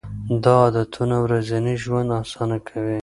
دا عادتونه ورځنی ژوند اسانه کوي.